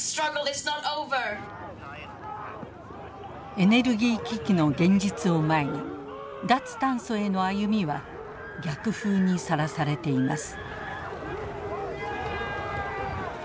エネルギー危機の現実を前に脱炭素への歩みは逆風にさらされています。